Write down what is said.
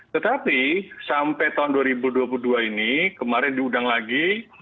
tetapi sampai tahun dua ribu dua puluh dua ini kemarin diundang lagi